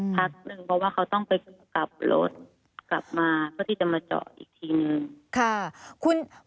พักหนึ่งเพราะว่าเขาต้องไปกลับรถกลับมาเพื่อที่จะมาเจาะอีกทีนึง